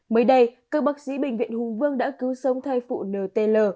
mới đây các bác sĩ bệnh viện hùng vương đã cứu sông thai phụ ntl